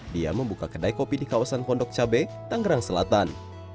dia membuka kedai kopi di kawasan pondok cabe tanggerang selatan